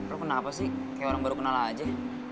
lo kenapa sih kayak orang baru kenal aja